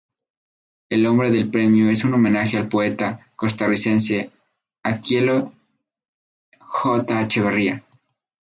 El nombre del premio es un homenaje al poeta costarricense Aquileo J. Echeverría.